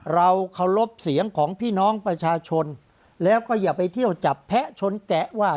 เราเคารพเสียงของพี่น้องประชาชนแล้วก็อย่าไปเที่ยวจับแพะชนแกะว่า